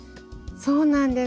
そうなんです。